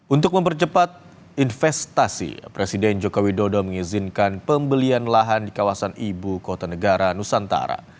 untuk mempercepat investasi presiden joko widodo mengizinkan pembelian lahan di kawasan ibu kota negara nusantara